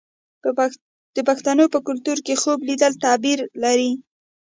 د پښتنو په کلتور کې خوب لیدل تعبیر لري.